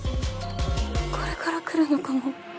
これから来るのかも。